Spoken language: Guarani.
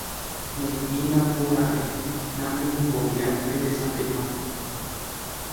Ne'írambora'e namyengoviái pe tesapeha.